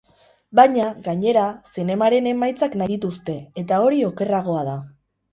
Baina, gainera, zinemaren emaitzak nahi dituzte, eta hori okerragoa da.